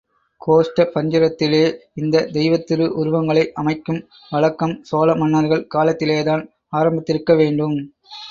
கோஷ்ட பஞ்சரத்திலே இந்தத் தெய்வத்திருஉருவங்களை அமைக்கும் வழக்கம் சோழ மன்னர்கள் காலத்திலேதான் ஆரம்பித்திருக்க வேண்டும்.